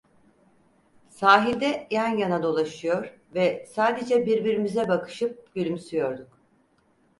Sahilde yan yana dolaşıyor ve sadece birbirimize bakışıp gülümsüyorduk.